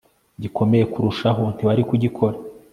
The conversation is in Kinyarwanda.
gikomeye kurushaho ntiwari kugikora